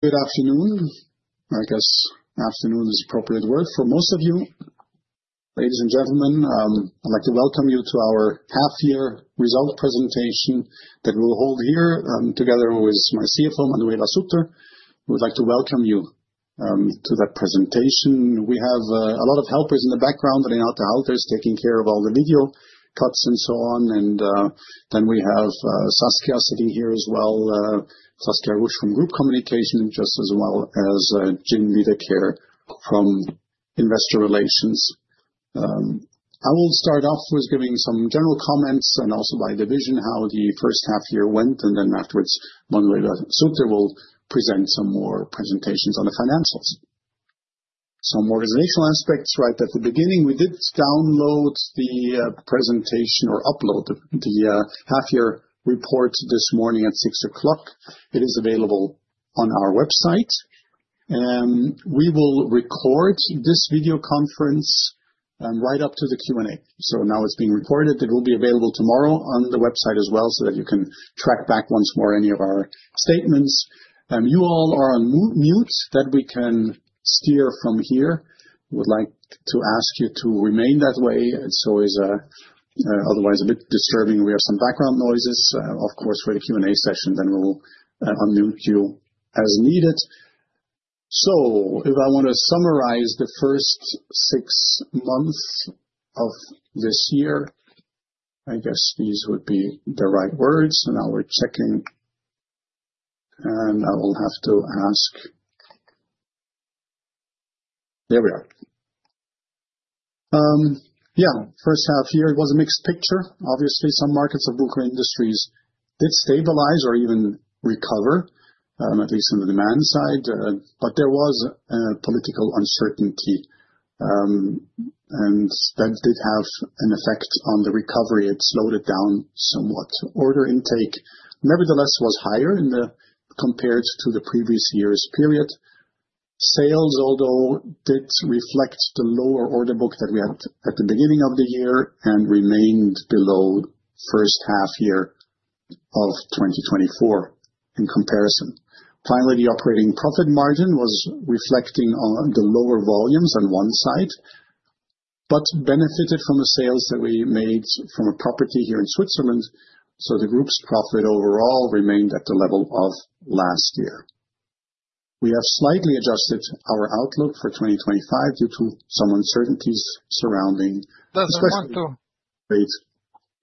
Good afternoon. I guess afternoon is appropriate word for most of you. Ladies and gentlemen, I'd like to welcome you to our half year result presentation that we'll hold here together with my CFO Manuela Suter. We'd like to welcome you to that presentation. We have a lot of helpers in the background and in other halters taking care of all the video cuts and so on. We have Saskia sitting here as well, Saskia Rusch from Group Communication just as well as Gin Leader Care from Investor Relations. I will start off with giving some general comments and also by division how the first half year went. Afterwards Manuela Suter will present some more presentations on the financials, some organizational aspects right at the beginning. We did download the presentation or upload the half year report this morning at 6:00. It is available on our website. We will record this video conference right up to the Q&A. Now it's being reported. It will be available tomorrow on the website as well so that you can track back once more any of our statements. You all are on mute that we can steer from here. Would like to ask you to remain that way as otherwise a bit disturbing. We have some background noises of course for the Q&A session. We'll unmute you as needed. If I want to summarize the first six months of this year, I guess these would be the right words. First half year it was a mixed picture. Obviously some markets of Bucher Industries did stabilize or even recover, at least on the demand side. There was political uncertainty and that did have an effect on the recovery. It slowed it down somewhat. Order intake nevertheless was higher compared to the previous year's period. Sales although did reflect the lower order book that we had at the beginning of the year and remained below first half year of 2024 in comparison. Finally, the operating profit margin was reflecting on the lower volumes on one side, but benefited from the sales that we made from a property here in Switzerland. The group's profit overall remained at the level of last year. We have slightly adjusted our outlook for 2025 due to some uncertainties surrounding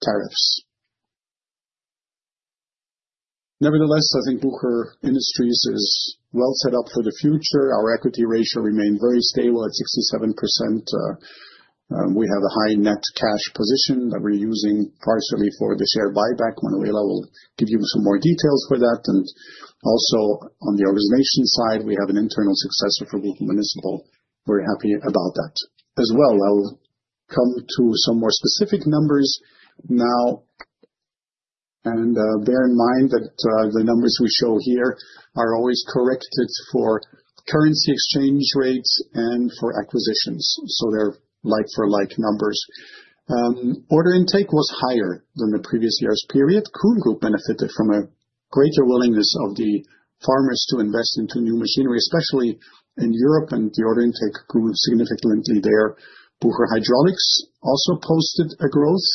tariffs. Nevertheless, I think Bucher Industries is well set up for the future. Our equity ratio remained very stable at 67%. We have a high net cash position that we're using partially for the share buyback. Manuela will give you some more details for that. Also on the organization, we have an internal successor for Bucher Municipal, we're happy about that as well. I will come to some more specific numbers now and bear in mind that the numbers we show here are always corrected for currency exchange rates and for acquisitions. They're like-for-like numbers. Order intake was higher than the previous year's period. Kuhn Group benefited from a greater willingness of the farmers to invest into new machinery, especially in Europe, and the order intake grew significantly there. Bucher Hydraulics also posted a growth.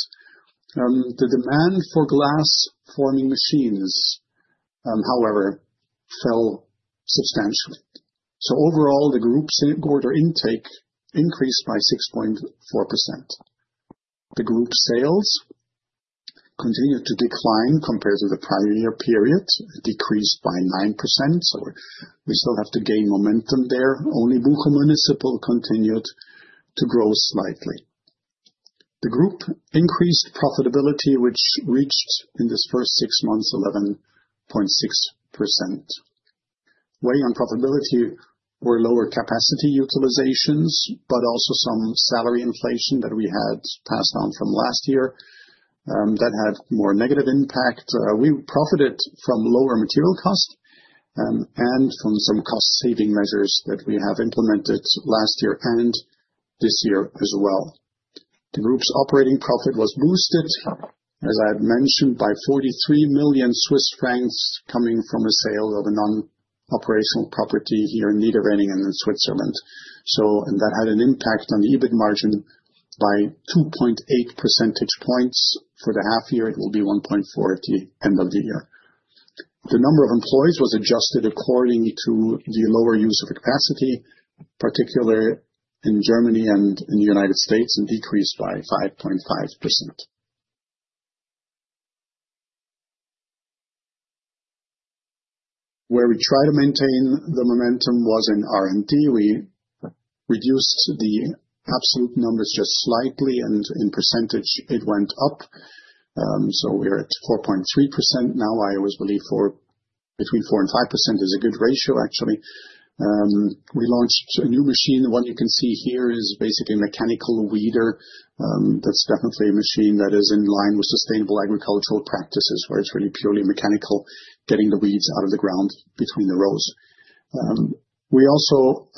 The demand for glass forming machines, however, fell substantially. Overall, the group order intake increased by 6.4%. The group sales continued to decline compared to the prior year period, decreased by 9%. We still have to gain momentum there. Only Bucher Municipal continued to grow slightly. The group increased profitability, which reached in this first six months 11.6%. Weighing on profitability were lower capacity utilizations but also some salary inflation that we had passed down from last year that had more negative impact. We profited from lower material cost and from some cost saving measures that we have implemented last year and this year as well. The group's operating profit was boosted, as I had mentioned, by 43 million Swiss francs coming from a sale of a non-operational property here in Niederweningen in Switzerland, and that had an impact on EBIT margin by 2.8 percentage points for the half year. It will be 1.4 at the end of the year. The number of employees was adjusted according to the lower use of capacity, particularly in Germany and in the United States, and decreased by 5.5%. Where we try to maintain the momentum was in R&D. We reduced the absolute numbers just slightly and in percentage it went up, so we're at 4.3% now. I always believe between 4% and 5% is a good ratio. Actually, we launched a new machine. The one you can see here is basically a mechanical weeder. That's definitely a machine that is in line with sustainable agricultural practices where it's really purely mechanical, getting the weeds out of the ground between the rows. We also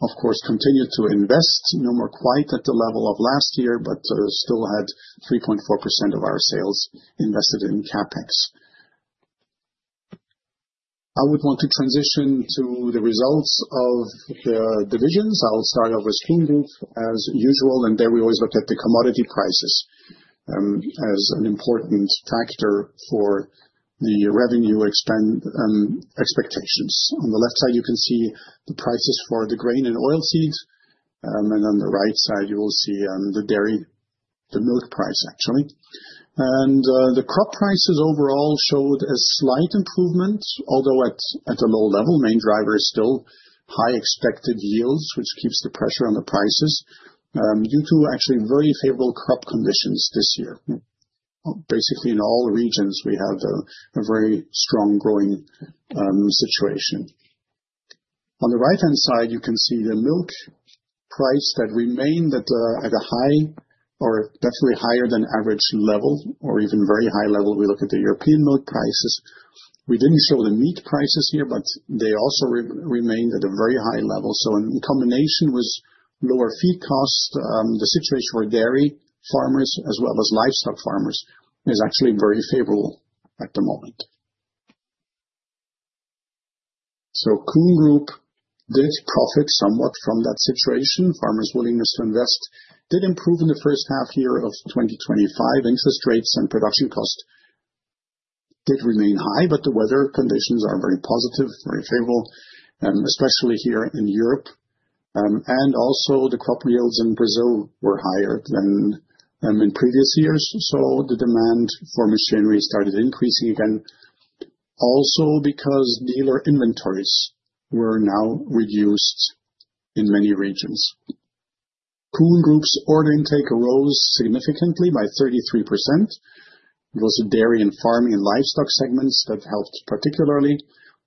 of course continue to invest, no more quite at the level of last year, but still had 3.4% of our sales invested in CapEx. I would want to transition to the results of the divisions. I'll start off with Kuhn Group as usual. We always look at the commodity prices as an important factor for the revenue expectations. On the left side you can see the prices for the grain and oilseed. On the right side you will see the dairy, the milk price actually and the crop prices overall showed a slight improvement, although at a low level. Main driver is still high expected yields, which keeps the pressure on the prices due to actually very favorable crop conditions this year. Basically in all regions we have a very strong growing situation. On the right hand side you can see the meat price that remained at a high or definitely higher than average level, or even very high level. We look at the European milk prices. We didn't show the meat prices here, but they also remained at a very high level. In combination with lower feed cost, the situation for dairy farmers as well as livestock farmers is actually very favorable at the moment. Kuhn Group did profit somewhat from that situation. Farmers' willingness to invest did improve in the first half year of 2025. Interest rates and production cost did remain high. The weather conditions are very positive, very favorable and especially here in Europe. Also the crop yields in Brazil were higher than in previous years. The demand for machinery started increasing again, also because dealer inventories were now reduced in many regions. Kuhn Group's order intake rose significantly by 33%. It was the dairy and farming and livestock segments that helped particularly,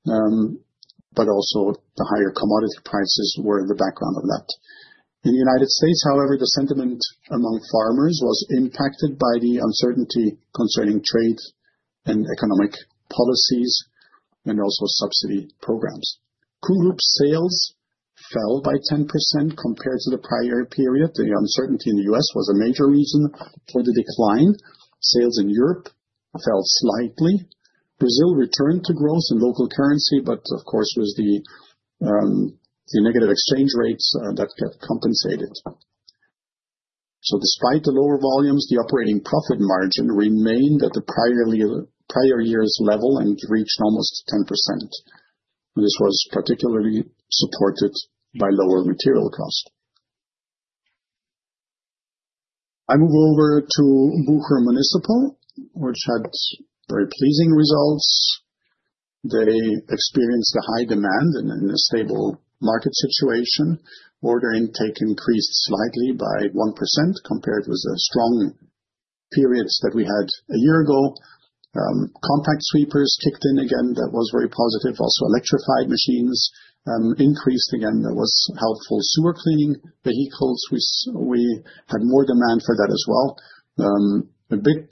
but also the higher commodity prices were in the background of that. In the United States, however, the sentiment among farmers was impacted by the uncertainty concerning trade and economic policies and also subsidy programs. Kuhn Group sales fell by 10% compared to the prior period. The uncertainty in the U.S. was a major reason for the decline. Sales in Europe fell slightly. Brazil returned to growth in local currency, but of course with the negative exchange rates that get compensated. Despite the lower volumes, the operating profit margin remained at the prior year's level and reached almost 10%. This was particularly supported by lower material cost. I move over to Bucher Municipal which had very pleasing results. They experienced a high demand in a stable market situation. Order intake increased slightly by 1% compared with the strong periods that we had a year ago. Compact sweepers kicked in again. That was very positive. Also electrified machines increased again. There was helpful sewer cleaning vehicles. We had more demand for that as well. A bit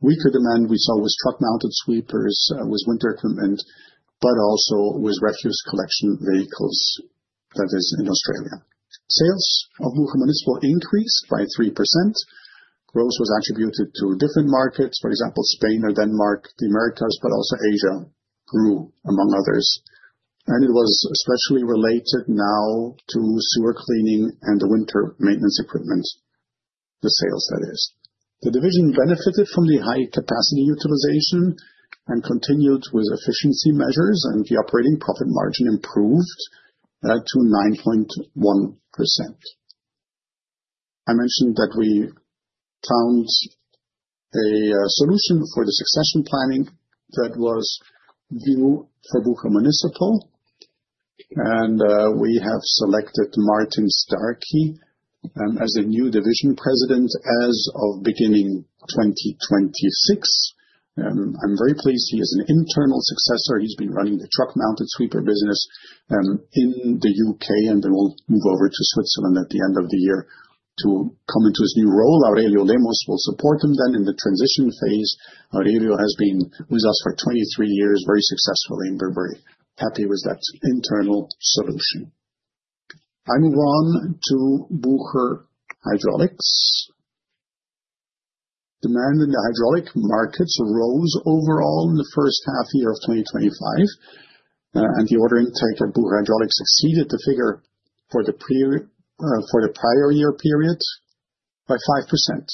weaker demand we saw was truck-mounted sweepers with winter equipment, but also with refuse collection vehicles, that is, in Australia. Sales of Bucher Municipal increased by 3%. Growth was attributed to different markets, for example Spain or Denmark, the Americas, but also Asia grew among others. It was especially related now to sewer cleaning and the winter maintenance equipment. The sales, that is, the division benefited from the high capacity utilization and continued with efficiency measures. The operating profit margin improved to 9.1%. I mentioned that we found a solution for the succession planning that was with Bucher Municipal and we have selected Martin Starkey as a new Division President as of beginning 2026. I'm very pleased. He is an internal successor. He's been running the truck-mounted sweeper business in the U.K. and then will move over to Switzerland at the end of the year to come into his new role. Aurelio Lemos will support him then in the transition phase. Aurelio has been with us for 23 years. Very successful. We're very happy with that internal solution. I move on to Bucher Hydraulics. Demand in the hydraulic markets rose overall in the first half year of 2025. The order intake of Bucher Hydraulics exceeded the figure for the prior year period by 5%.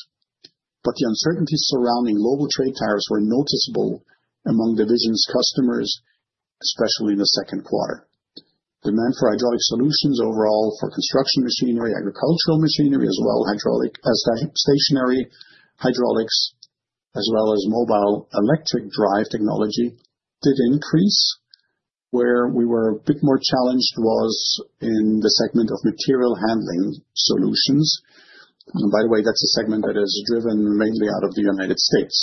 The uncertainties surrounding global trade tariffs were noticeable among the division's customers, especially in the second quarter. Demand for hydraulic solutions overall for construction machinery, agricultural machinery, stationary hydraulics as well as mobile electric drive technology did increase. Where we were a bit more challenged was in the segment of material handling solutions. By the way, that's a segment that is driven mainly out of the United States.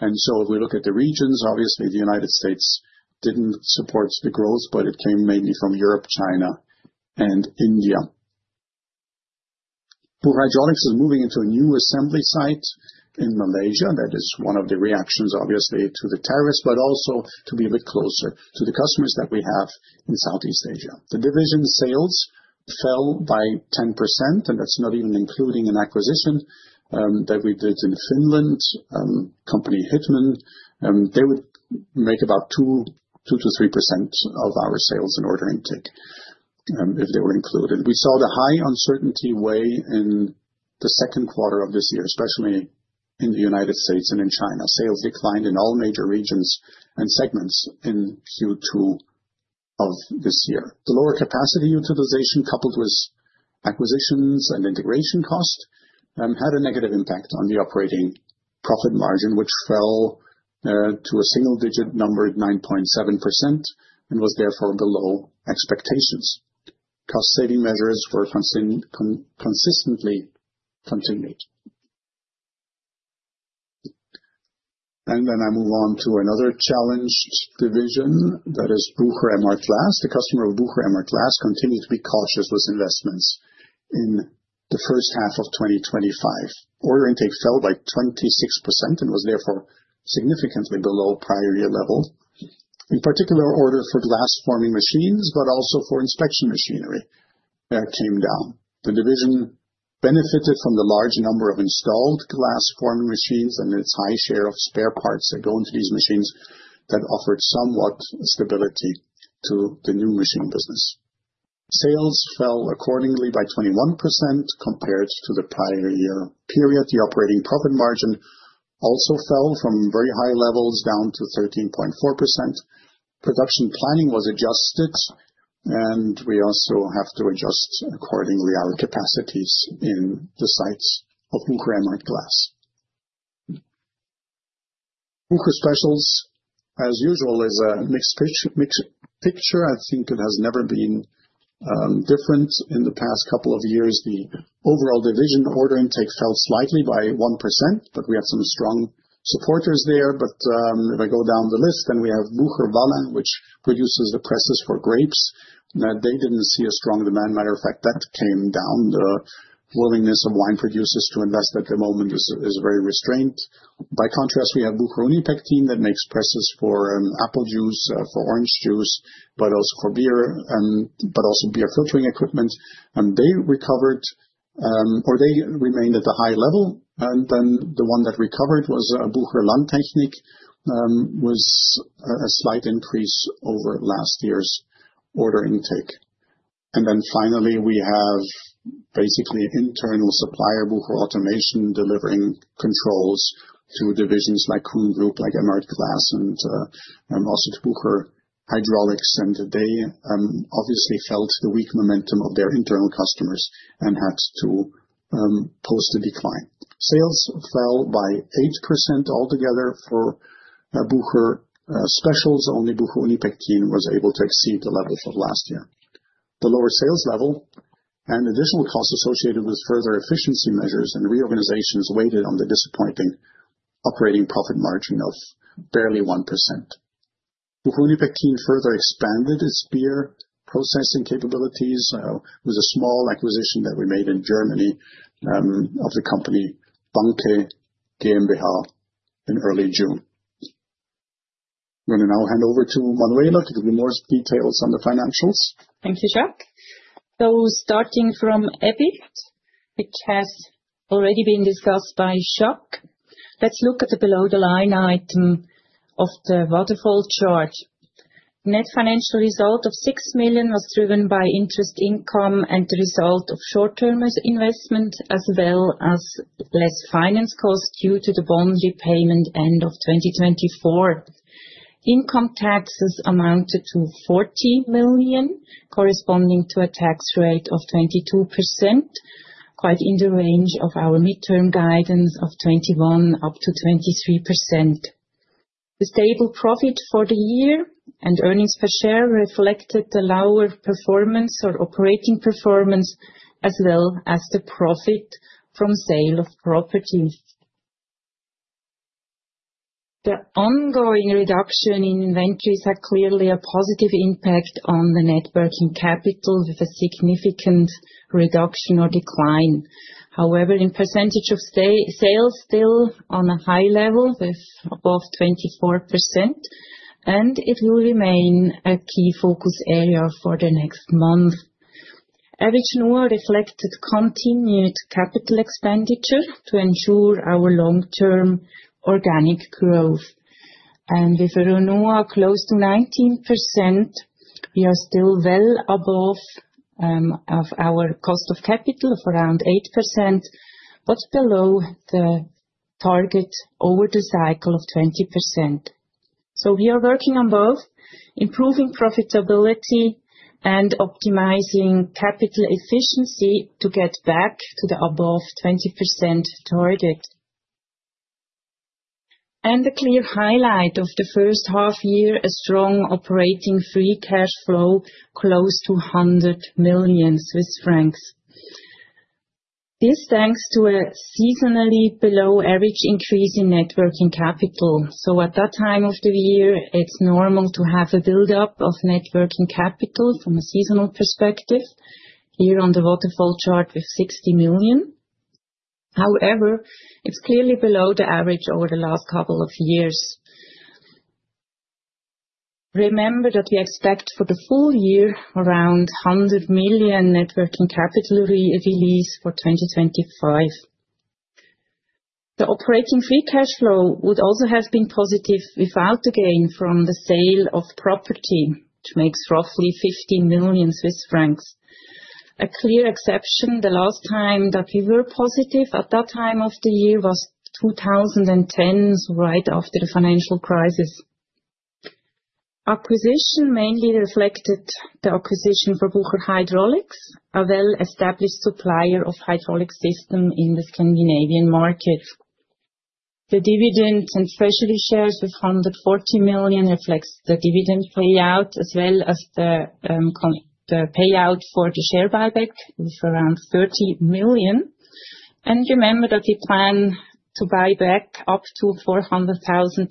If we look at the regions, obviously the United States didn't support the growth, but it came mainly from Europe, China, and India. Bucher Hydraulics is moving into a new assembly site in Malaysia. That is one of the reactions obviously to the tariffs, but also to be a bit closer to the customers that we have in Southeast Asia. The division sales fell by 10%. That's not even including an acquisition that we did in Finland, company Hitman. They would make about 2%-3% of our sales and order intake if they were included. We saw the high uncertainty way in the second quarter of this year, especially in the United States and in China. Sales declined in all major regions and segments in Q2 of this year. The lower capacity utilization coupled with acquisitions and integration cost had a negative impact on the operating profit margin, which fell to a single digit number of 9.7% and was therefore below expectations. Cost saving measures were consistently continued. I move on to another challenged division, that is Bucher Emhart Glass. The customers of Bucher Emhart Glass continue to be cautious with investments. In the first half of 2025, order intake fell by 26% and was therefore significantly below prior year level. In particular, orders for glass forming machines, but also for inspection machinery, came down. The division benefited from the large number of installed glass forming machines and its high share of spare parts that go into these machines. That offered somewhat stability to the new machine business. Sales fell accordingly by 21% compared to the prior year period. The operating profit margin also fell from very high levels down to 13.4%. Production planning was adjusted and we also have to adjust accordingly our capacities in the sites of Bucher Emhart Glass. Bucher Specials, as usual, is a mixed picture. I think it has never been different in the past couple of years. The overall division order intake fell slightly by 1%, but we had some strong supporters there. If I go down the list, then we have Bucher Vaslin, which produces the presses for grapes. They didn't see a strong demand, matter of fact, that came down. The willingness of wine producers to invest at the moment is very restrained. By contrast, we have Bucher Unipektin that makes presses for apple juice, for orange juice, but also for beer, but also beer filtering equipment. They recovered or they remained at the high level. The one that recovered was Bucher Landtechnik, with a slight increase over last year's order intake. Finally, we have basically internal supplier Bucher Automation delivering controls to divisions like Kuhn Group, like Emhart Glass, and also Bucher Hydraulics. They obviously felt the weak momentum of their internal customers and had to post a decline. Sales fell by 8% altogether for Bucher Specials. Only Bucher Unipektin was able to exceed the levels of last year. The lower sales level and additional costs associated with further efficiency measures and reorganizations weighed on the disappointing operating profit margin of barely 1%. Bucher Unipektin further expanded its beer processing capabilities with a small acquisition that we made in Germany of the company Banke GmbH in early June. I'm going to now hand over to Manuela to give you more details on the financials. Thank you, Jac. Starting from EBIT, which has already been discussed by Jac, let's look at the below-the-line item of the waterfall chart. Net financial result of 6 million was driven by interest income and the result of short-term investment as well as less finance cost due to the bond repayment end of 2024. Income taxes amounted to 40 million, corresponding to a tax rate of 22%, quite in the range of our mid-term guidance of 21% up to 23%. The stable profit for the year and earnings per share reflected the lower performance or operating performance as well as the profit from sale of property. The ongoing reduction in inventories is clearly a positive impact on the net working capital with a significant reduction or decline; however, in percentage of sales, still on a high level with above 24%, and it will remain a key focus area for the next month. Average NOA reflected continued capital expenditure to ensure our long-term organic growth, and with a renewal close to 19%, we are still well above our cost of capital of around 8%, but below the target over the cycle of 20%. We are working on both improving profitability and optimizing capital efficiency to get back to the above 20% target. A clear highlight of the first half year is a strong operating free cash flow close to 100 million Swiss francs. This is thanks to a seasonally below-average increase in net working capital. At that time of the year, it's normal to have a buildup of net working capital. From a seasonal perspective here on the waterfall chart with 60 million, however, it's clearly below the average over the last couple of years. Remember that we expect for the full year around 100 million net working capital release for 2025. The operating free cash flow would also have been positive without the gain from the sale of property, which makes roughly 15 million Swiss francs a clear exception. The last time that we were positive at that time of the year was 2010, right after the financial crisis. Acquisition mainly reflected the acquisition for Bucher Hydraulics, a well-established supplier of hydraulic systems in the Scandinavian market. The dividend and specialty shares with 140 million reflects the dividend payout as well as the payout for the share buyback, which is around 30 million. Remember that we plan to buy back up to 410,000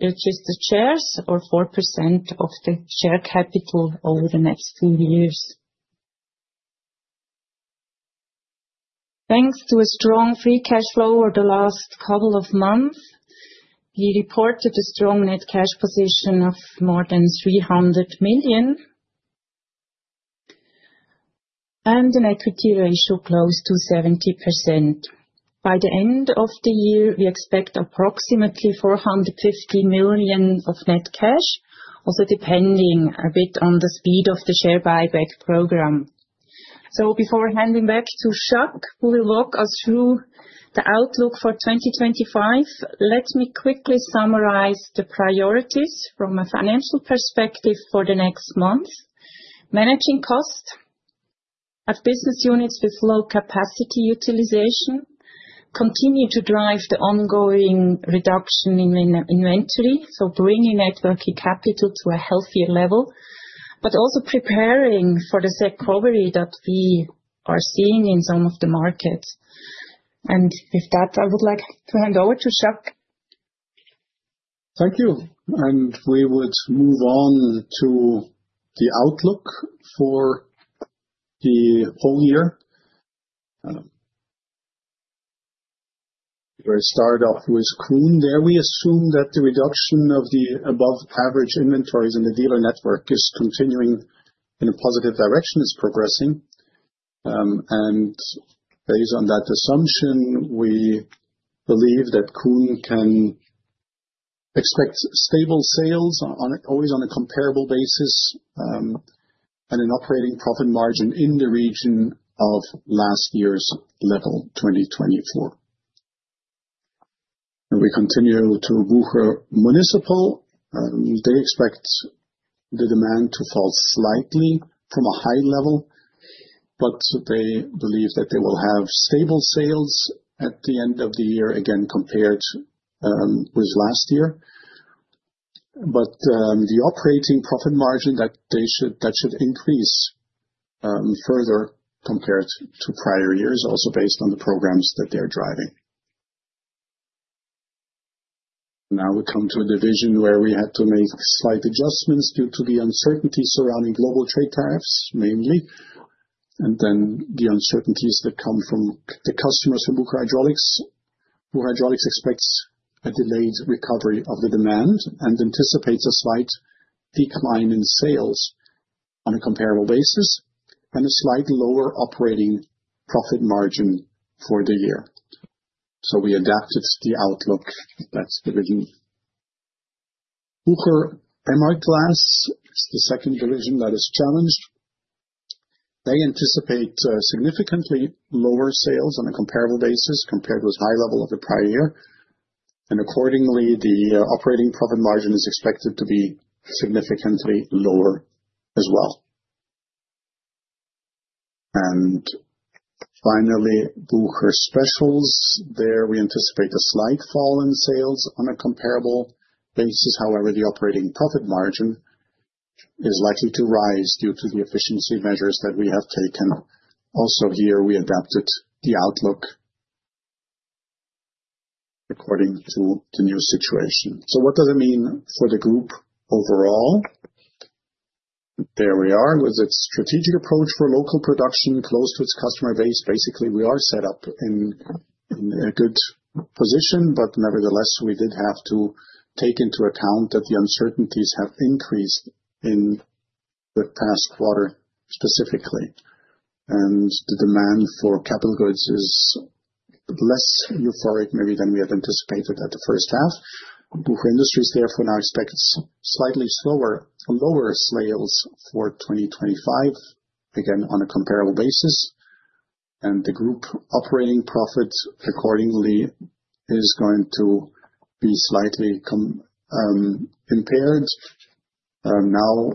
registered shares or 4% of the share capital over the next few years, thanks to a strong free cash flow. Over the last couple of months he reported a strong net cash position of more than 300 million and an equity ratio close to 70%. By the end of the year we expect approximately 450 million of net cash, also depending a bit on the speed of the share buyback program. Before handing back to Jac, who will walk us through the outlook for 2025, let me quickly summarize the priorities from a financial perspective for the next month. Managing cost at business units with low capacity utilization continues to drive the ongoing reduction in inventory, bringing net working capital to a healthier level, but also preparing for the SEC overlay that we are seeing in some of the markets. With that I would like to hand over to Jac. Thank you. We would move on to the outlook for the whole year. Start off with Kuhn. There we assume that the reduction of the above average inventories in the dealer network is continuing in a positive direction, is progressing. Based on that assumption, we believe that Kuhn can expect stable sales always on a comparable basis and an operating profit margin in the region of last year's level 2024. We continue to Bucher Municipal. They expect the demand to fall slightly from a high level, but they believe that they will have stable sales at the end of the year again compared with last year. The operating profit margin should increase further compared to prior years, also based on the programs that they're driving now. We come to a division where we had to make slight adjustments due to the uncertainty surrounding global trade tariffs mainly and then the uncertainties that come from the customers from Bucher Hydraulics. Bucher Hydraulics expects a delayed recovery of the demand and anticipates a slight decline in sales on a comparable basis and a slightly lower operating profit margin for the year. We adapted the outlook. That's the reason Bucher Emhart Glass is the second division that is challenged. They anticipate significantly lower sales on a comparable basis compared with the high level of the prior year. Accordingly, the operating profit margin is expected to be significantly lower as well. Finally, Bucher Specials, there we anticipate a slight fall in sales on a comparable basis. However, the operating profit margin is likely to rise due to the efficiency measures that we have taken. Also here we adapted the outlook according to the new situation. What does it mean for the group overall? There we are with its strategic approach for local production close to its customer base. Basically, we are set up in a good position. Nevertheless, we did have to take into account that the uncertainties have increased in the past quarter specifically and the demand for capital goods is less euphoric maybe than we had anticipated at the first half. Bucher Industries therefore now expects slightly lower sales for 2025 again on a comparable basis. The group operating profit accordingly is going to be slightly impaired now,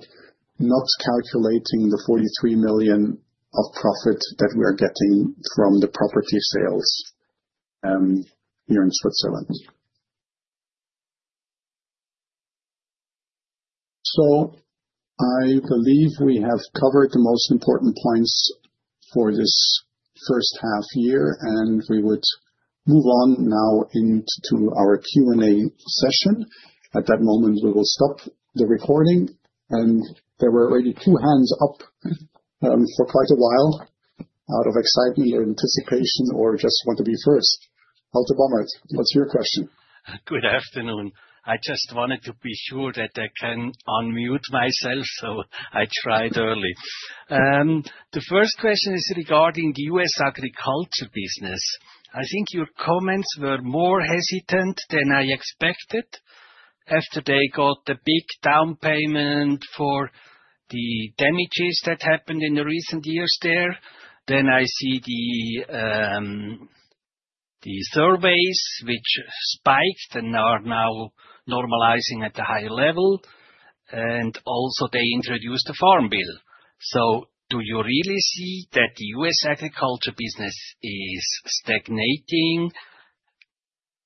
not calculating the 43 million of profit that we are getting from the property sales here in Switzerland. I believe we have covered the most important points for this first half year and we would move on now into our Q and A session. At that moment we will stop the recording. There were already two hands up for quite a while. Out of excitement or anticipation or just want to be first, Halter Bommert, what's your question? Good afternoon. I just wanted to be sure that I can unmute myself. I tried early. The first question is regarding the U.S. agriculture business. I think your comments were more hesitant than I expected after they got the big down payment for the damages that happened in the recent years there. I see the surveys which spiked and are now normalizing at the higher level. Also, they introduced a farm bill. Do you really see that the U.S. agriculture business is stagnating?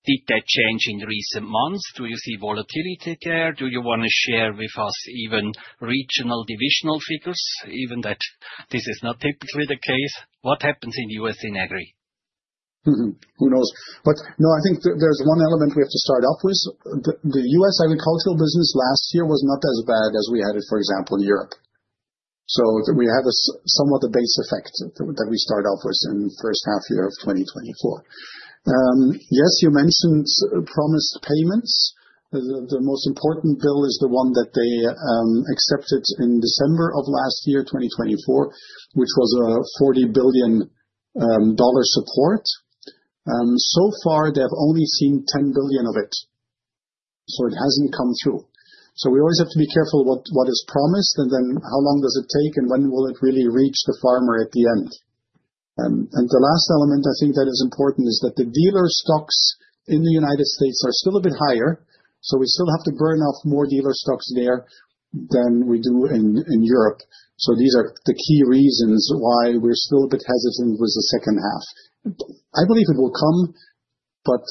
Did that change in recent months? Do you see volatility there? Do you want to share with us even regional divisional figures even though this is not typically the case? What happens in U.S. in agri? Who knows? No, I think there's one element we have to start off with. The U.S. agricultural business last year was not as bad as we had it, for example, in Europe. We have somewhat the base effect that we start off with in the first half year of 2024. Yes, you mentioned promised payments. The most important bill is the one that they accepted in December of last year, 2024, which was a $40 billion support. So far they have only seen $10 billion of it. It hasn't come through. We always have to be careful what is promised and then how long does it take and when will it really reach the farmer at the end? The last element I think that is important is that the dealer stocks in the United States are still a bit higher. We still have to burn off more dealer stocks there than we do in Europe. These are the key reasons why we're still a bit hesitant with the second half. I believe it will come, but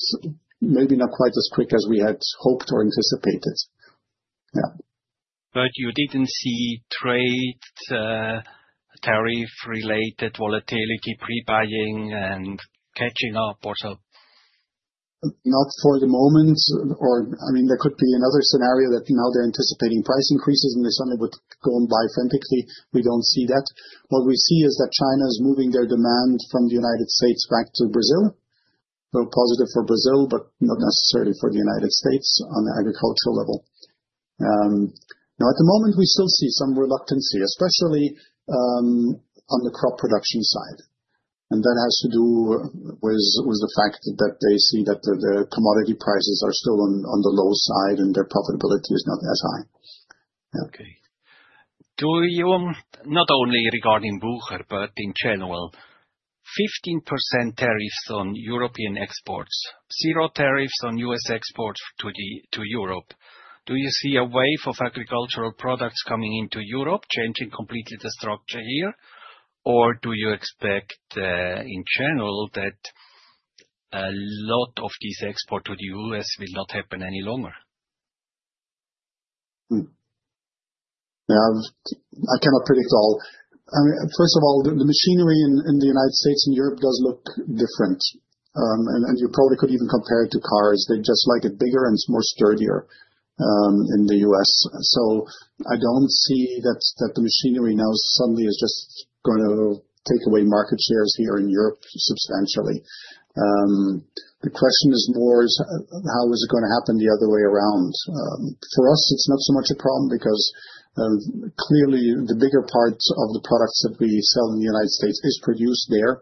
maybe not quite as quick as we had hoped or anticipated. You didn't see trade tariff-related volatility, pre-buying, and catching up. Not for the moment. There could be another scenario that now they're anticipating price increases and they suddenly would go and buy frantically. We don't see that. What we see is that China is moving their demand from the United States back to Brazil. Positive for Brazil, but not necessarily for the United States on the agricultural level. At the moment we still see some reluctancy, especially on the crop production side. That has to do with the fact that they see that the commodity prices are still on the low side and their profitability is not as high. Okay. Not only regarding Bucher, but in general 15% tariffs on European exports, zero tariffs on U.S. exports to Europe. Do you see a wave of agricultural products coming into Europe, changing completely the structure here? Or do you expect in general that a lot of these exports to the U.S. will not happen any longer? I cannot predict all. First of all, the machinery in the United States and Europe does look different. You probably could even compare it to cars. They just like it bigger and it's more sturdier in the U.S. I don't see that the machinery now suddenly is just going to take away market shares here in Europe substantially. The question is more how is it going to happen the other way around. For us it's not so much a problem because clearly the bigger part of the products that we sell in the United States is produced there.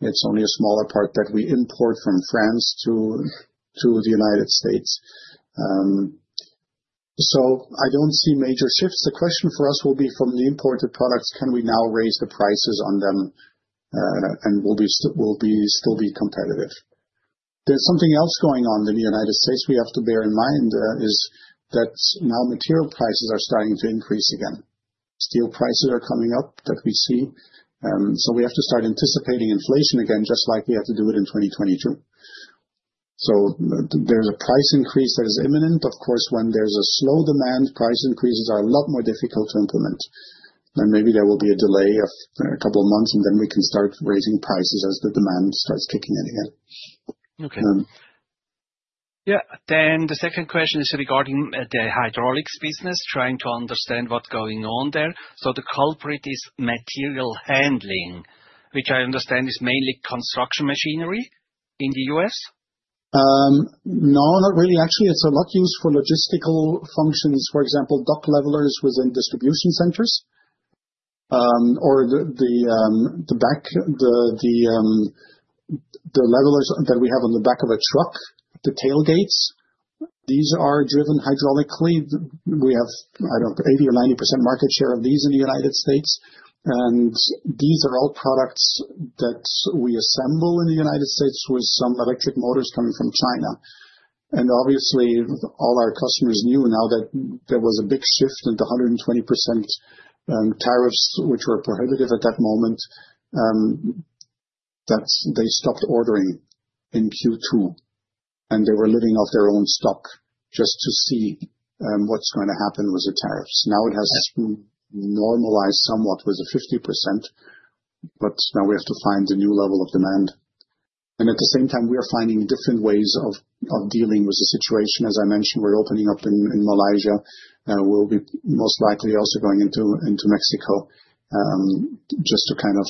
It's only a smaller part that we import from France to the United States. I don't see major shifts. The question for us will be from the imported products, can we now raise the prices on them and will we still be competitive. There's something else going on in the United States we have to bear in mind, that now material prices are starting to increase again. Steel prices are coming up, that we see. We have to start anticipating inflation again, just like we had to do it in 2022. There's a price increase that is imminent. Of course, when there's a slow demand, price increases are a lot more difficult to implement. Maybe there will be a delay of a couple of months and then we can start raising prices as the demand starts kicking in again. Okay, yeah. The second question is regarding the hydraulics business. Trying to understand what's going on there. The culprit is material handling, which I understand is mainly construction machinery in. The U.S., no, not really. Actually, it's a lot used for logistical functions. For example, dock levelers within distribution centers or the levelers that we have on the back of a truck, the tailgates, these are driven hydraulically. We have, I don't know, 80%% or 90% market share of these in the United States. These are all products that we assemble in the United States with some electric motors coming from China. Obviously, all our customers knew now that there was a big shift in the 120% tariffs, which were prohibitive at that moment, that they stopped ordering in Q2 and they were living off their own stock, just to see what's going to happen with the tariffs. Now it has normalized somewhat with a 50%, but now we have to find a new level of demand. At the same time, we are finding different ways of dealing with the situation. As I mentioned, we're opening up in Malaysia. We'll be most likely also going into Mexico just to kind of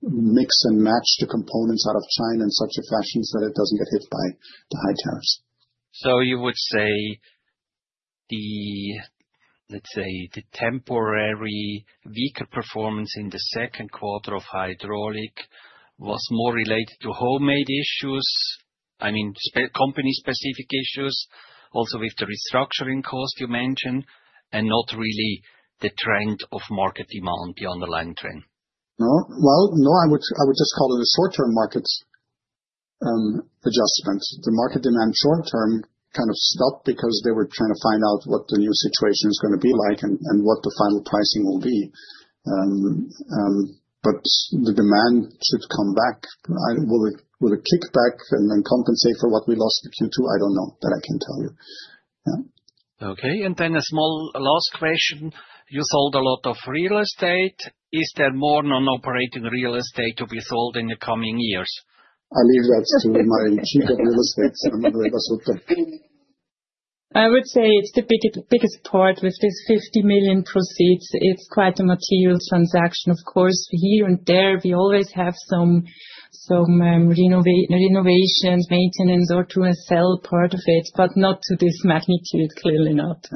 mix and match the components out of China in such a fashion so that it doesn't get hit by the high tariffs. Would you say the, let's say, the temporary weaker performance in the second quarter of hydraulics was more related to homemade issues, I mean company-specific issues, also with the restructuring cost you mentioned, and not really the trend of market demand, the underlying trend? I would just call it a short term market adjustment. The market demand, short term, kind of stopped because they were trying to find out what the new situation is going to be like and what the final pricing will be. The demand should come back. Will it kick back and then compensate for what we lost in Q2? I don't know that I can tell you. Okay, and then a small last question. You sold a lot of real estate. Is there more non-operating real estate to be sold in the coming years? I leave that to my Chief of Real Estate. I would say it's the biggest part with this $50 million proceeds. It's quite a material transaction. Of course, here and there we always have some renovations, maintenance, or to sell part of it, but not to this magnitude. Clearly not.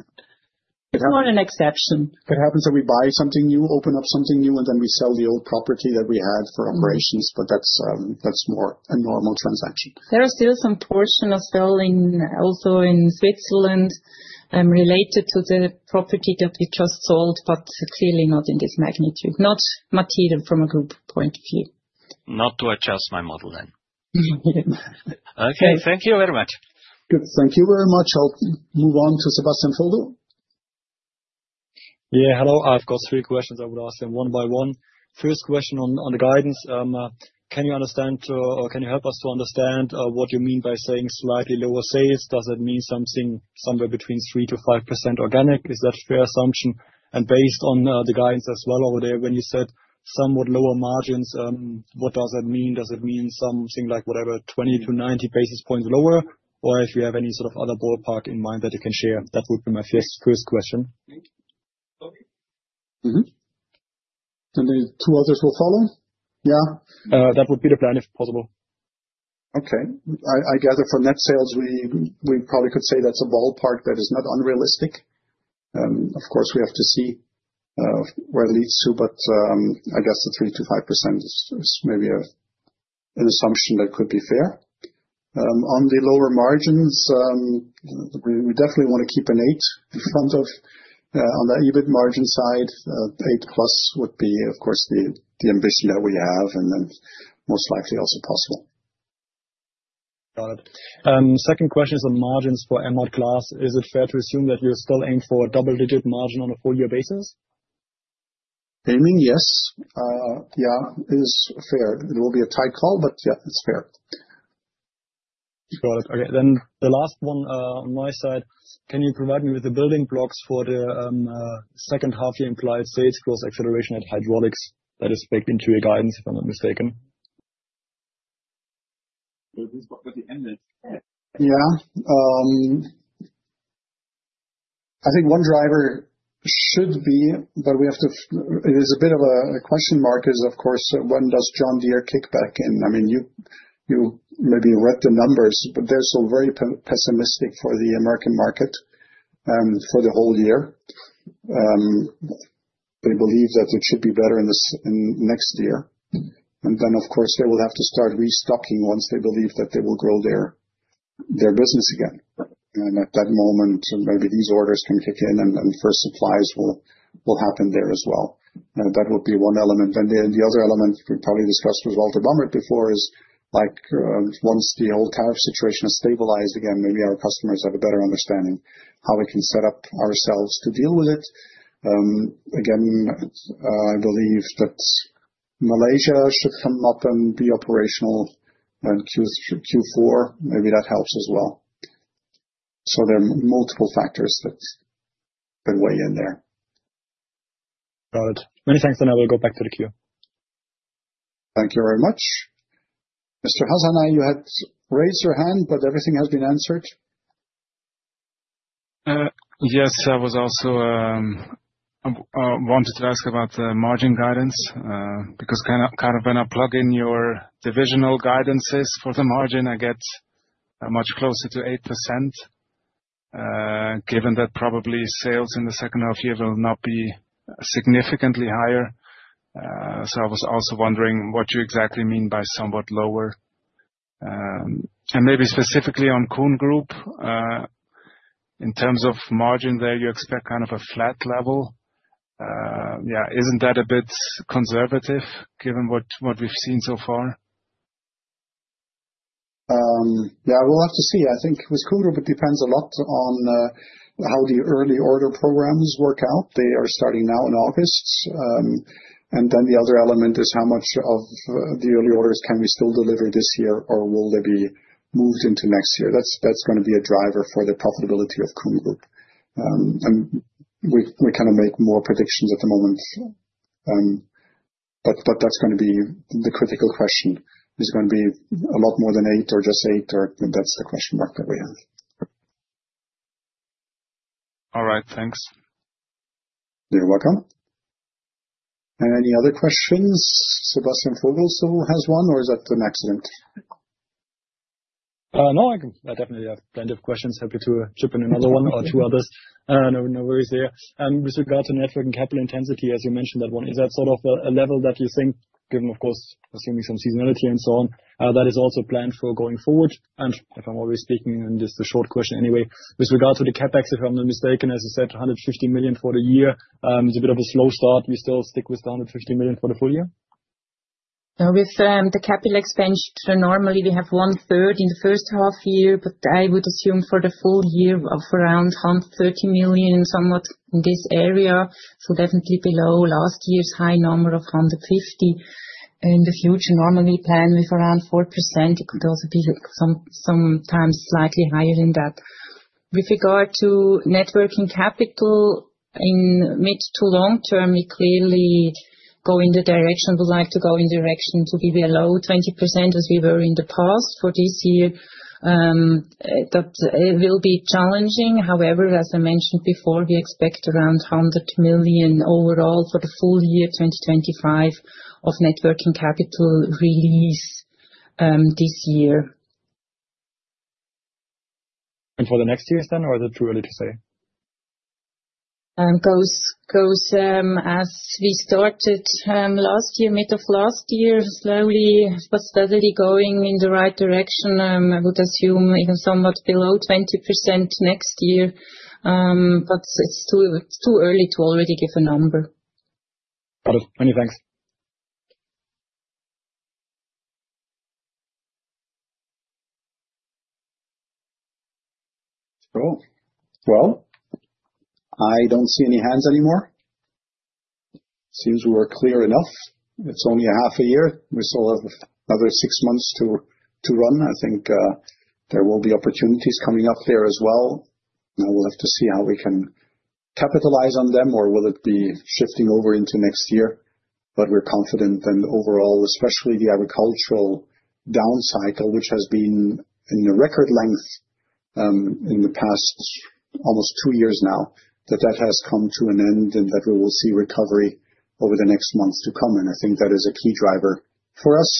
It's not an exception. It happens that we buy something new, open up something new, and then we sell the old property that we had for operations. That's more a normal transaction. There are still some portion of selling also in Switzerland related to the property that we just sold, but clearly not in this magnitude. Not material from a group point of view. Not to adjust my model then. Okay, thank you very much. Good. Thank you very much. I'll move on to Sebastian Feldo. Hello. I've got three questions. I would ask them one by one. First question on the guidance, can you understand or can you help us to understand what you mean by saying slightly lower sales? Does that mean something somewhere between 3%-5% organic? Is that a fair assumption? Based on the guidance as well over there, when you said somewhat lower margins, what does that mean? Does it mean something like whatever 20-90 basis points lower, or if you have any sort of other ballpark in mind that you can share, that would be my first question. The two others will follow. Yeah, that would be the plan, if possible. Okay. I gather for net sales we probably could say that's a ballpark. That is not unrealistic. Of course we have to see where it leads to. I guess the 3%-5% is maybe an assumption that could be fair on the lower margins. We definitely want to keep an 8% in front of. On the EBIT margin side, 8%+ would be of course the ambition that we have and then most likely also possible. Got it. ond question is, on margins for Emhart Glass, is it fair to assume that you still aim for a double digit margin on a four year basis? Aiming, yes. Yeah, is fair. It will be a tight call, but yeah, it's fair. Got it. Okay, then the last one on my side. Can you provide me with the building blocks for the second half year? Implied sales growth, acceleration at Hydraulics. That is baked into your guidance, if I'm not mistaken. I think one driver should be, but we have to. It is a bit of a question mark, is of course, when does John Deere kick back in? I mean, you maybe read the numbers, but they're still very pessimistic for the American market for the whole year. They believe that it should be better in next year. They will have to start restocking once they believe that they will grow their business again. At that moment maybe these orders can kick in and first supplies will happen there as well. That would be one element. The other element we probably discussed with Walter Baumert before is, once the whole tariff situation is stabilized again, maybe our customers have a better understanding how we can set up ourselves to deal with it again. I believe that Malaysia should come up and be operational Q4, maybe that helps as well. There are multiple factors that weigh in there. Got it. Many thanks. I will go back to the queue. Thank you very much. Mr. Hasana, you had raised your hand, but everything has been answered. Yes. I also wanted to ask about the margin guidance because when I plug in your divisional guidances for the margin, I get much closer to 8% given that probably sales in the second half year will not be significantly higher. I was also wondering what you exactly mean by somewhat lower and maybe specifically on Kuhn Group in terms of margin there. You expect kind of a flat level. Yeah. Isn't that a bit conservative given what we've seen so far? Yeah, we'll have to see. I think with Kuhn Group, it depends a lot on how the early order programs work out. They are starting now in August. The other element is how much of the early orders can we still deliver this year or will they be moved into next year? That's going to be a driver for the profitability of Kuhn Group. We kind of make more predictions at the moment, but that's going to be the critical question. Is it going to be a lot more than eight or just eight? That's the question mark that we have. All right, thanks. You're welcome. Any other questions? Sebastian Feldo has one or is that an accident? No, I definitely have plenty of questions. Happy to chip in. Another one or two others. No worries there. With regard to net working capital intensity, as you mentioned, that one is at sort of a level that you think, given of course assuming some seasonality and so on, that is also planned for going forward. If I'm already speaking, in this short question anyway, with regard to the CapEx, if I'm not mistaken, as I said, 150 million for the year, it's a bit of a slow start. We still stick with 150 million for the full year? With the capital expenditure, normally we have 1/3 in the first half year, but I would assume for the full year of around 1/3, 30 million, somewhat in this area, so definitely below last year's high number of 150 million. In the future, normally plan with around 4%. It could also be sometimes slightly higher than that. With regard to net working capital, in mid to long term, we clearly go in the direction, would like to go in direction to be below 20% as we were in the past. For this year, that will be challenging, however, as I mentioned before, we expect around 100 million overall for the full year 2025 of net working capital release this year. For the next years is it too early to say? As we started last year, mid of last year, slowly but steadily going in the right direction, I would assume even somewhat below 20% next year, but it's too early to already give a number. Got it. Many thanks. I don't see any hands anymore. It seems we are clear enough. It's only a half a year, we still have another six months to run. I think there will be opportunities coming up there as well. Now we'll have to see how we can capitalize on them or will it be shifting over into next year, but we're confident and overall especially the agricultural down cycle, which has been in a record length in the past almost two years now, that that has come to an end and that we will see recovery over the next months to come. I think that is a key driver for us.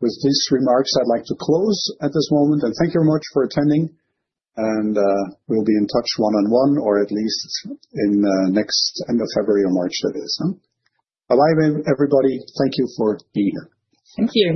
With these remarks, I'd like to close at this moment and thank you very much for attending. We'll be in touch one on one or at least in next end of February or March, that is. Bye bye everybody. Thank you for being here. Thank you.